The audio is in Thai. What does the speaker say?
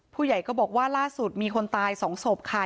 ผู้ใหญ่ก็บอกว่าล่าสุดมีคนตาย๒ศพค่ะ